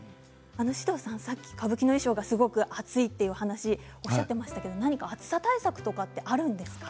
獅童さん、さっき歌舞伎の衣装がすごく暑いという話をおっしゃっていましたが何か暑さ対策はあるんですか？